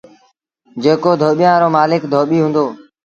جيڪو ڌوٻيآݩ رو مآلڪ ڌوٻيٚ هُݩدو۔